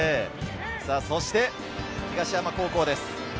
そして東山高校です。